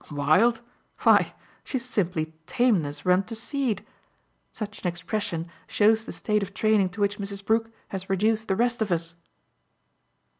Wild? why, she's simply tameness run to seed. Such an expression shows the state of training to which Mrs. Brook has reduced the rest of us."